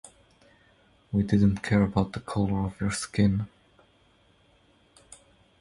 We didn't care about the color of your skin.